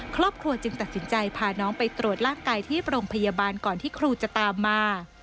ครอบครัวจึงตัดสินใจพาน้องไปตรวจร่างกายที่โรงพยาบาลก่อนที่ครูจะตามมา